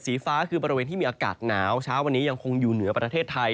ฟ้าคือบริเวณที่มีอากาศหนาวเช้าวันนี้ยังคงอยู่เหนือประเทศไทย